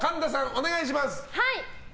お願いします。